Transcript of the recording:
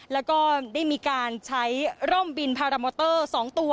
แล้วก็ได้มีการใช้ร่มบินพารามอเตอร์๒ตัว